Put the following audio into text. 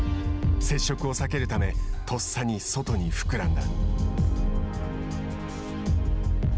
接触を避けるためとっさに外に膨らんだ。